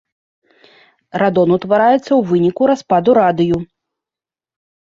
Радон утвараецца ў выніку распаду радыю.